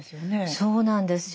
そうなんですよ。